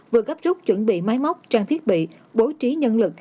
vừa gấp rút chuẩn bị máy móc trang thiết bị bố trí nhân lực